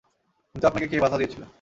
কিন্তু আপনাকে কে বাধা দিয়েছিলো?